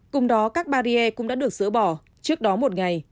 cùng đó các barrier cũng đã được dỡ bỏ trước đó một ngày